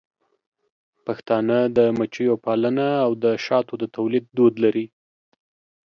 پښتانه د مچیو پالنه او د شاتو د تولید دود لري.